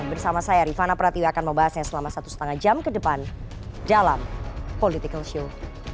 bersama saya rifana pratiwi akan membahasnya selama satu lima jam ke depan dalam political show